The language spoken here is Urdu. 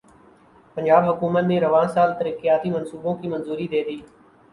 پنجاب حکومت نے رواں سال ترقیاتی منصوبوں کی منظوری دیدی